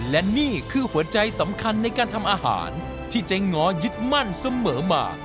และนี่คือหัวใจสำคัญในการทำอาหารที่เจ๊ง้อยึดมั่นเสมอมา